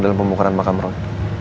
dalam pembukaran makam roy